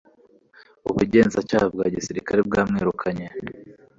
ubugenzacyaha bwa gisirikare bwa mwirukanye